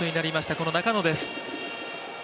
この中野です。